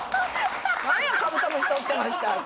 なんや「カブトムシとってましたぁ」。